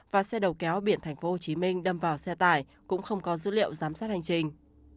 và xe đầu kéo biển tp hcm đâm vào xe tải cũng không có dữ liệu giám sát hành trình